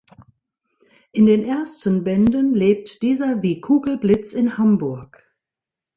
In den ersten Bänden lebt dieser wie Kugelblitz in Hamburg.